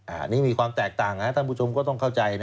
อันนี้มีความแตกต่างท่านผู้ชมก็ต้องเข้าใจนะ